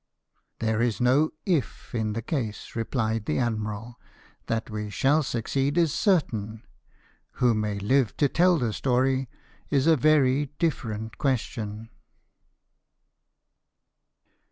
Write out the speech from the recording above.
—'' There is no if in the case," replied the admiral ;" that we shall succeed is certain, who may live to tell the story is a very different question."